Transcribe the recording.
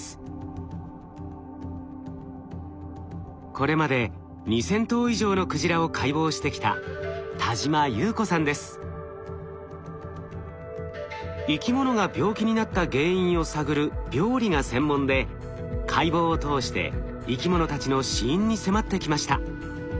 これまで２，０００頭以上のクジラを解剖してきた生き物が病気になった原因を探る病理が専門で解剖を通して生き物たちの死因に迫ってきました。